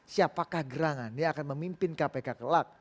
siapakah gerangan yang akan memimpin kpk kelak